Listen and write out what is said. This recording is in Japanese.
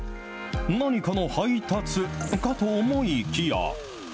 何かの配達かと思いきや。